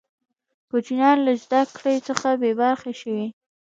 کوچنیان له زده کړي څخه بې برخې شوې.